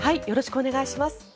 よろしくお願いします。